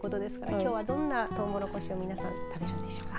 きょうはどんなトウモロコシを皆さん食べるんでしょうか。